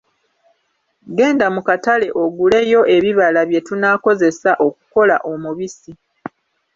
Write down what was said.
Genda mu katale oguleyo ebibala bye tunaakozesa okukola omubisi.